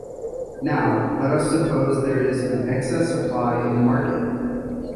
Now, let us suppose there is an excess supply in the market.